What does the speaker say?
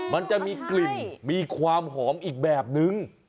มันจะมีกลิ่นมีความหอมอีกแบบนึง